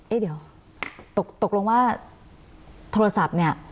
เอ๊ะเดี๋ยวตกลงว่าโทรศัพท์เนี่ย